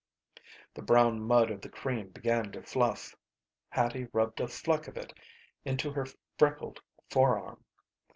The brown mud of the cream began to fluff. Hattie rubbed a fleck of it into her freckled forearm.